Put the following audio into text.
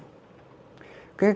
kinh tế thì sao